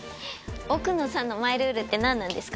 奥野さんのマイルールってなんなんですか？